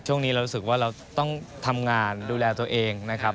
ช่วงนี้เรารู้สึกว่าเราต้องทำงานดูแลตัวเองนะครับ